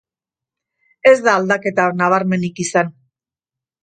Ez da aldaketa nabarmenik izan.